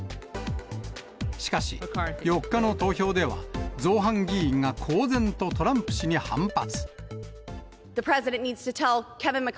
しかし、４日の投票では、造反議員が公然とトランプ氏に反発。